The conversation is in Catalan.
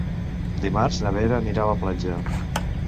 Dimarts na Vera anirà a la platja.